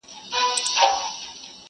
چي پنیر یې وو له خولې څخه وتلی،